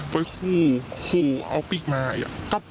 ไปคู่เอาปีกมาอีก